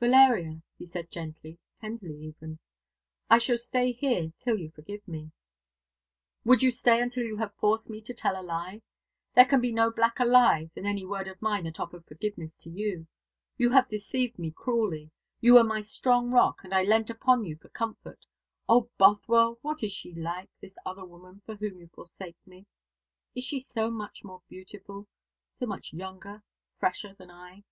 "Valeria," he said gently, tenderly even, "I shall stay here till you forgive me." "Would you stay until you have forced me to tell a lie? There can be no blacker lie than any word of mine that offered forgiveness to you. You have deceived me cruelly. You were my strong rock, and I leant upon you for comfort. O Bothwell, what is she like, this other woman for whom you forsake me? Is she so much more beautiful so much younger fresher than I?"